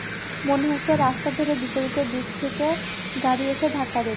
মনে হচ্ছে রাস্তা ধরে বিপরীতে দিক থেকে গাড়ি এসে ধাক্কা দেবে।